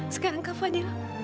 sekarang kak fadil